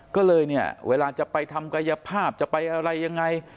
ก็เลยเนี่ยเวลาจะไปทำกายภาพจะไปอะไรยังไง